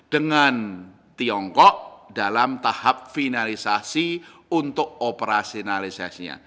dengan tiongkok dalam tahap finalisasi untuk operasionalisasinya